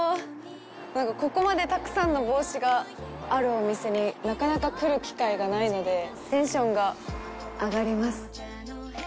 何かここまでたくさんの帽子があるお店になかなか来る機会がないのでテンションが上がります。